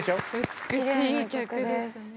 美しい曲ですね。